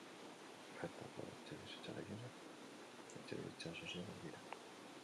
Bertako etxebizitza gehienak etxebizitza sozialak dira.